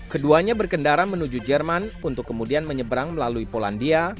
keduanya berkendara menuju jerman untuk kemudian menyeberang melalui polandia